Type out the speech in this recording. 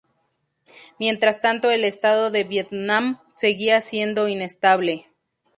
Mientras tanto el Estado de Vietnam seguía siendo inestable.